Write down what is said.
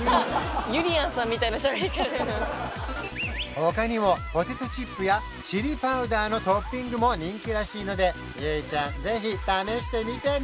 他にもポテトチップやチリパウダーのトッピングも人気らしいので結実ちゃんぜひ試してみてね！